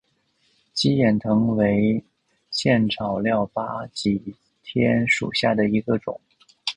鸡眼藤为茜草科巴戟天属下的一个种。